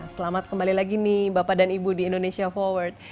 selamat kembali lagi nih bapak dan ibu di indonesia forward